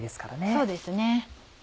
そうですね。